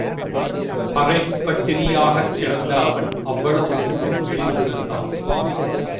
அரைப் பட்டினி யாகக்கிடந்த அவன் அவ்வளவு தூரம் மெலிந்திருந்தான்.